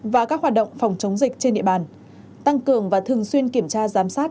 và các hoạt động phòng chống dịch trên địa bàn tăng cường và thường xuyên kiểm tra giám sát